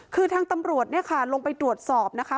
คือทางตำรวจเนี่ยค่ะลงไปตรวจสอบนะคะ